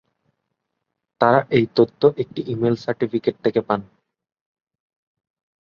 তারা এই তথ্য একটি ইমেইল সার্টিফিকেট থেকে পান।